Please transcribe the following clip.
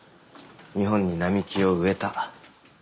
日本に並木を植えた。